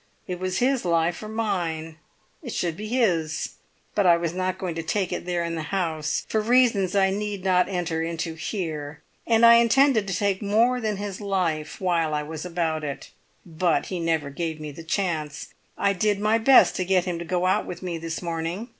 It was his life or mine; it should be his; but I was not going to take it there in the house, for reasons I need not enter into here, and I intended to take more than his life while I was about it. But he never gave me the chance. I did my best to get him to go out with me this morning.